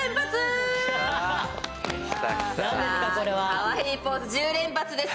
かわいいポーズ１０連発です。